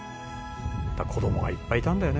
「子供がいっぱいいたんだよね